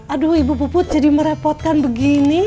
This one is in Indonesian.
aduh ibu puput jadi merepotkan begini